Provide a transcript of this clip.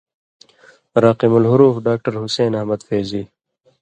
راقم الحروف ڈاکٹر حسېن احمد فېضی